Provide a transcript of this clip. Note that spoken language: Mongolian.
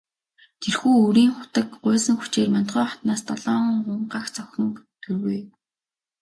Тэрхүү үрийн хутаг гуйсан хүчээр Мандухай хатнаас долоон нуган, гагц охин төрвэй.